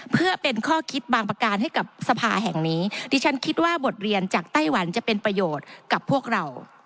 เพื่อเป็นข้อคิดบางประการให้กับสภาแห่งนี้ดิฉันคิดว่าบทเรียนจากไต้หวันจะเป็นประโยชน์กับพวกเรา